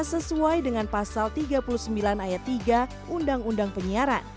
sesuai dengan pasal tiga puluh sembilan ayat tiga undang undang penyiaran